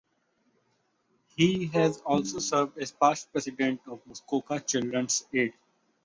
He has also served as past president of Muskoka Children's Aid.